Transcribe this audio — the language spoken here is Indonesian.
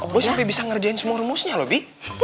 gue sampe bisa ngerjain semua rumusnya loh bi